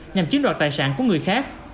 nhằm chiếm đoạt tài sản của người khác